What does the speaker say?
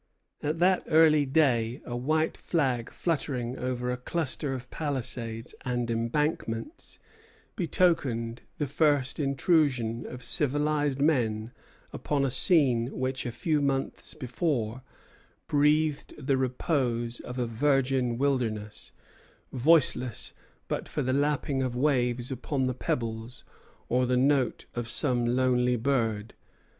At that early day a white flag fluttering over a cluster of palisades and embankments betokened the first intrusion of civilized men upon a scene which, a few months before, breathed the repose of a virgin wilderness, voiceless but for the lapping of waves upon the pebbles, or the note of some lonely bird.